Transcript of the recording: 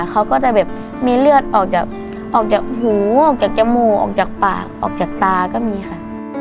เขาก็จะแบบมีเลือดออกจากหูออกจากจมูกออกจากปากออกจากตาก็มีค่ะ